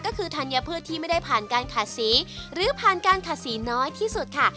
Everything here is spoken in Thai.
ก็คือธัญพืชที่ไม่ได้ผ่านการขาดสีหรือผ่านการขาดสีน้อยที่สุดค่ะ